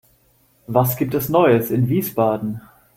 Was gibt es Neues in Wiesbaden?